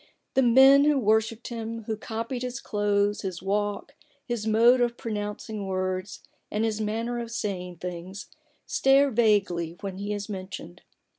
The men who wor shipped him, who copied his clothes, his walk, his mode of pronouncing words, and his manner of saying things, stare vaguely when he is mentioned.